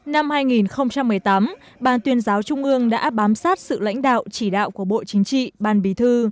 năm hai nghìn một mươi tám ban tuyên giáo trung ương đã bám sát sự lãnh đạo chỉ đạo của bộ chính trị ban bí thư